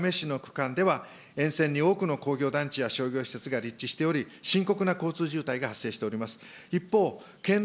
このうちひらかわ町から八女市の区間では、沿線に多くの工業団地や商業施設が立地しており、深刻な交通渋滞が発生しております。